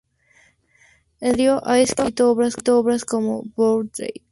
En solitario ha escrito obras como "Bourdieu.